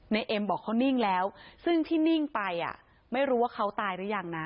เอ็มบอกเขานิ่งแล้วซึ่งที่นิ่งไปไม่รู้ว่าเขาตายหรือยังนะ